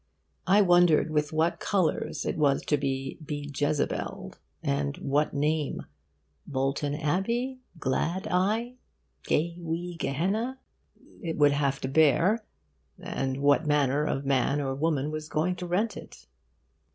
I wondered with what colours it was to be bejezebelled, and what name Bolton Abbey? Glad Eye? Gay Wee Gehenna? it would have to bear, and what manner of man or woman was going to rent it.